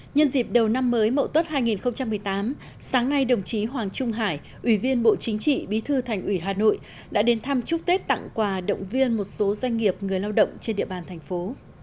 nhân dịp đầu năm mới mậu tuất hai nghìn một mươi tám sáng nay đồng chí hoàng trung hải ủy viên bộ chính trị bí thư thành ủy hà nội đã đến thăm chúc tết tặng quà động viên một số doanh nghiệp người lao động trên địa bàn thành phố